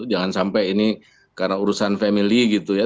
jangan sampai ini karena urusan family gitu ya